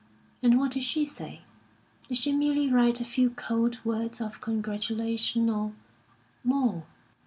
And what did she say? Did she merely write a few cold words of congratulation or more?